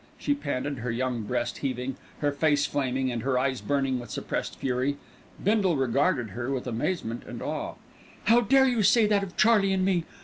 she panted, her young breast heaving, her face flaming, and her eyes burning with suppressed fury. Bindle regarded her with amazement and awe. "How dare you say that of Charlie and me?